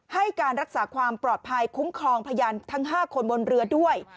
ให้การรักษาความปลอดภัยคุ้มครองพยานทั้ง๕คนบนเรือด้วย